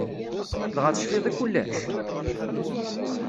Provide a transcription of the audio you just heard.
Dɣa tecfiḍ i kullec?